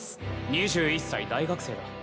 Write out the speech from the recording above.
２１歳大学生だ。